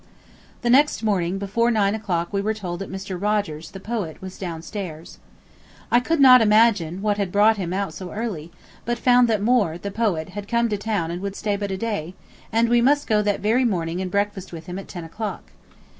The next morning before nine o'clock we were told that Mr. Rogers, the poet, was downstairs. I could not imagine what had brought him out so early, but found that Moore, the poet, had come to town and would stay but a day, and we must go that very morning and breakfast with him at ten o'clock.